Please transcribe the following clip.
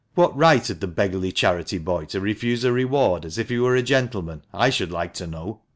What right had the beggarly charity boy to refuse a reward, as if he were a gentleman, I should like to know